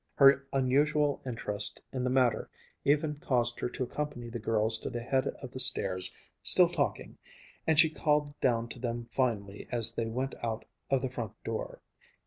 Her unusual interest in the matter even caused her to accompany the girls to the head of the stairs, still talking, and she called down to them finally as they went out of the front door